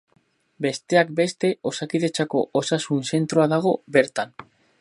Besteak beste, Osakidetzako osasun zentroa dago bertan.